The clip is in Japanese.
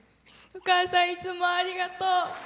お母さん、いつもありがとう。